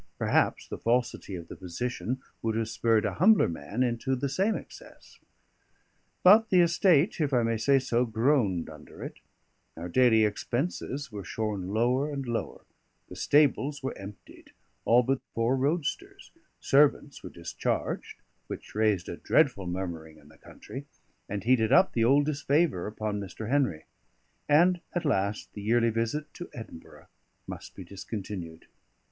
Perhaps the falsity of the position would have spurred a humbler man into the same excess. But the estate (if I may say so) groaned under it; our daily expenses were shorn lower and lower; the stables were emptied, all but four roadsters; servants were discharged, which raised a dreadful murmuring in the country, and heated up the old disfavour upon Mr. Henry; and at last the yearly visit to Edinburgh must be discontinued.